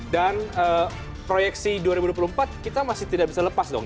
dan proyeksi dua ribu dua puluh empat kita masih tidak bisa lepas dong